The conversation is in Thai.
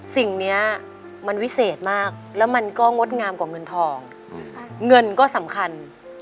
สิ่งนี้มันวิเศษมากแล้วมันก็งดงามกว่าเงินทองเงินก็สำคัญ